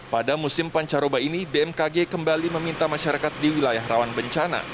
pada musim pancaroba ini bmkg kembali meminta masyarakat di wilayah rawan bencana